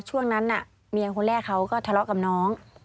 ช่วงนั้นเมียคนแรกเขาก็ทะเลาะกับน้อง